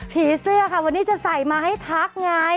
เสื้อค่ะวันนี้จะใส่มาให้ทักไง